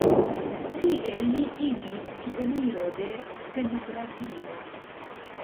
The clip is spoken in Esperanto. Tie li iĝis pioniro de stenografio.